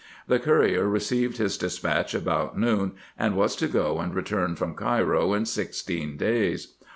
The courier received his despatch about noon, and was to go and return from Cairo in sixteen days.